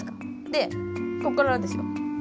でこっからですよ。